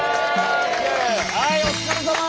はいお疲れさま。